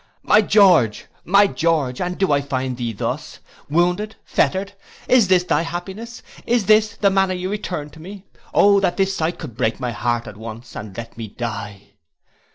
—'My George! My George! and do I find thee thus. Wounded! Fettered! Is this thy happiness! Is this the manner you return to me! O that this sight could break my heart at once and let me die!